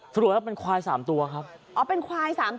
สรุปแล้วเป็นควาย๓ตัวครับอ๋อเป็นควาย๓ตัว